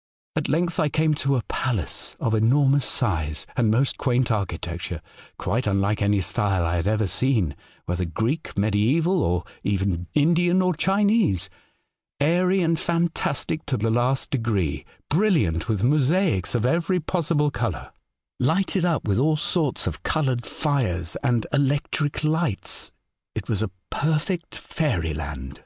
" At length I came to a palace of enormous size and most quaint architecture (quite unlike any style I had ever seen, whether Greek, mediaeval, or even Indian or Chinese), airy and fantastic to the last degree; brilliant with mosaics of every possible colour; lighted up with all sorts of coloured fires and electric lights. It was a perfect fairyland.